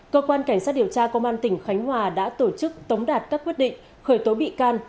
cơ quan cảnh sát điều tra công an tỉnh khánh hòa đã tổ chức tống đạt các quyết định khởi tố bị can